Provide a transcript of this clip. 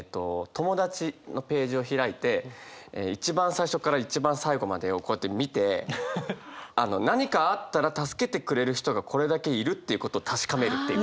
友達のページを開いて一番最初から一番最後までをこうやって見て何かあったら助けてくれる人がこれだけいるっていうことを確かめるっていう。